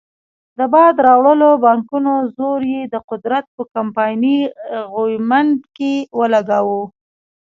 د باد راوړو پانګو زور یې د قدرت په کمپایني غویمنډ کې ولګاوه.